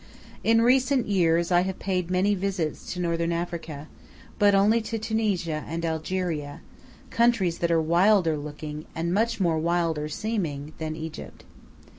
In recent years I have paid many visits to northern Africa, but only to Tunisia and Algeria, countries that are wilder looking, and much wilder seeming than Egypt.